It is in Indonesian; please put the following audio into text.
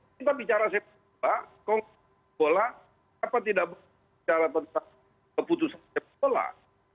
jadi kita bicara sempat kongsi sekolah apa tidak bicara tentang keputusan sekolah